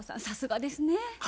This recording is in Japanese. さすがですねぇ。